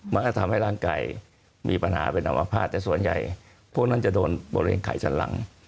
มันก็ทำให้ร่างกายมีปัญหาเป็นอมภาษณ์แต่ส่วนใหญ่พวกนั้นจะโดนบริเวณไข่ชั้นหลัง